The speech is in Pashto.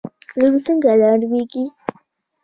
لوبیې څنګه نرمیږي؟